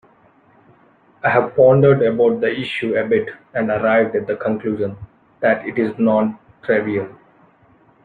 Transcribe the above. I have pondered about the issue a bit and arrived at the conclusion that it is non-trivial.